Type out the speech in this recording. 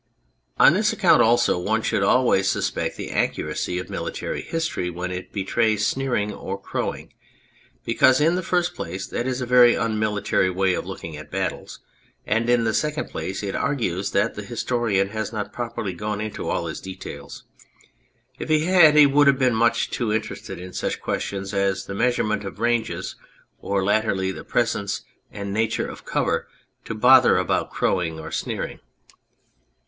On this account also one should always suspect the accuracy of military history when it betrays sneering or crowing, because, in the first place, that is a very unmilitary way of looking at battles, and, in the second place, it argues that the historian has not properly gone into all his details. If he had he would have been much too interested in such questions as the measurement of ranges, or, latterly, the presence and nature of cover to bother about crowing or sneering.